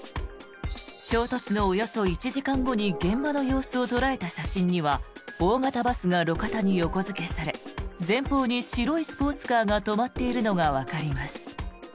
衝突のおよそ１時間後に現場の様子を捉えた写真には大型バスが路肩に横付けされ前方に白いスポーツカーが止まっているのがわかります。